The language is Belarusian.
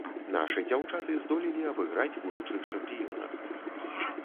Нашы дзяўчаты здолелі абыграць будучых чэмпіёнак.